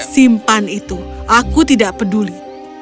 simpan itu aku tidak peduli